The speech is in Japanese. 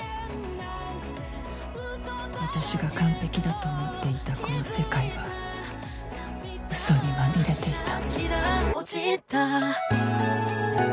私が完璧だと思っていたこの世界はウソにまみれていた。